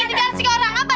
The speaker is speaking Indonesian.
dikasih ke orang apa